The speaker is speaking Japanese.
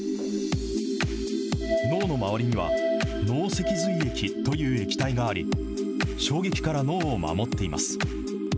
脳の周りには、脳脊髄液という液体があり、衝撃から脳を守っています。